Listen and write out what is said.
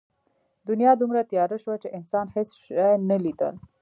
دنیا دومره تیاره شوه چې انسان هېڅ شی نه لیدل.